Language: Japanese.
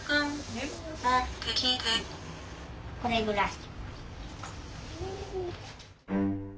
これぐらい。